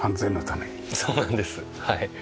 そうなんですはい。